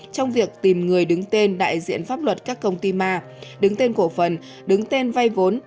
trong việc tìm người đứng tên đại diện pháp luật các công ty ma đứng tên cổ phần đứng tên vay vốn